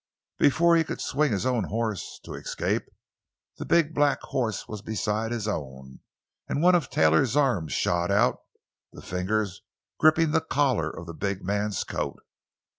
Before he could swing his own horse to escape, the big, black horse was beside his own, and one of Taylor's arms shot out, the fingers gripping the collar of the big man's coat.